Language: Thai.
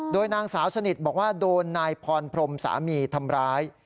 โดยนางสาวสนิทบอกว่าโดนนายพรพรมสามีทำร้าย